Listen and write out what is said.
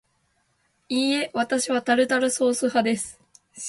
いいえ、わたしはタルタルソース派です